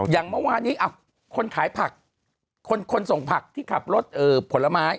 อย่างเมื่อวานี้คนขายผักคนส่งผักที่ขับรถผลไม้